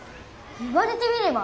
言われてみれば！